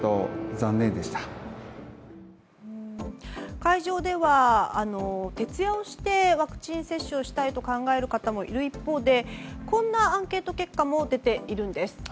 会場では徹夜をしてワクチン接種をしたいと考える方もいる一方でこんなアンケート結果も出ているんです。